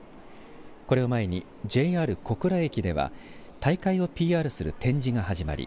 これを前にＪＲ小倉駅では大会をＰＲする展示が始まり